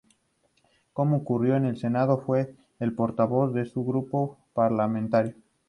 Como ocurrió en el Senado, fue el portavoz de su grupo parlamentario.